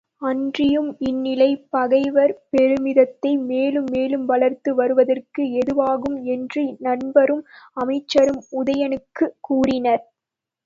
அன்றியும் இந்நிலை, பகைவர் பெருமிதத்தை மேலும் மேலும் வளர்த்து வருவதற்கு ஏதுவாகும் என்று நண்பரும் அமைச்சரும் உதயணனுக்குக் கூறினர்.